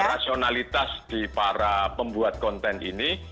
rasionalitas di para pembuat konten ini